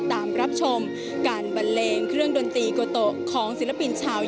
แล้วมันจะเป็นตอนที่สุดท้าย